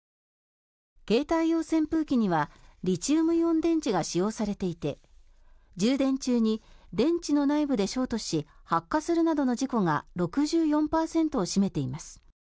携帯用扇風機にはリチウムイオン電池が使用されていて充電中に電池の内部でショートし発火するなどの事故が６４％を占めています。